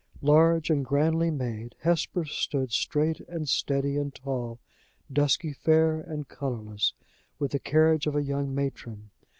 Large, and grandly made, Hesper stood "straight, and steady, and tall," dusky fair, and colorless, with the carriage of a young matron.